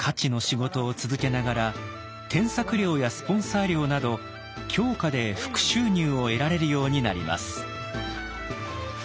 徒の仕事を続けながら添削料やスポンサー料など狂歌で副収入を得られるようになります。